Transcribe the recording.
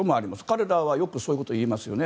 彼らはよくそういうことを言いますよね